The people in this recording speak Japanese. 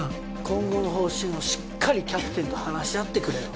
今後の方針をしっかりキャプテンと話し合ってくれよ。